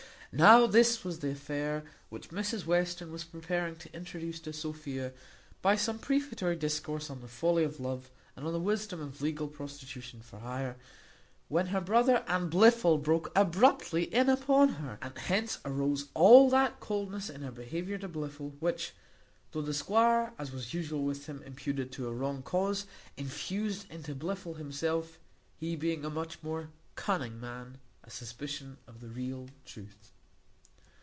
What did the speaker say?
Now this was the affair which Mrs Western was preparing to introduce to Sophia, by some prefatory discourse on the folly of love, and on the wisdom of legal prostitution for hire, when her brother and Blifil broke abruptly in upon her; and hence arose all that coldness in her behaviour to Blifil, which, though the squire, as was usual with him, imputed to a wrong cause, infused into Blifil himself (he being a much more cunning man) a suspicion of the real truth.